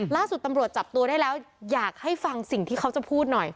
ล่าสุดตำรวจจับตัวได้แล้วอยากให้ฟังสิ่งที่เขาจะพูดหน่อย